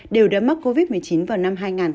đều đã mắc covid một mươi chín vào năm hai nghìn hai mươi